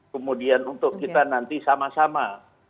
kemudian untuk kita nanti sama sama